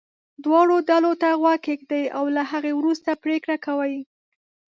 دواړو ډلو ته غوږ ږدي او له هغې وروسته پرېکړه کوي.